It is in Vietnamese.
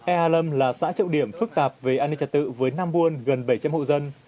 e lâm là xã trợ điểm phức tạp về an ninh trật tự với nam buôn gần bảy trăm linh hộ dân